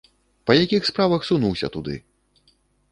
Па якіх справах сунуўся туды?